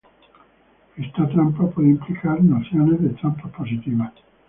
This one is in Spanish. Esta trampa puede implicar nociones de trampas positivas.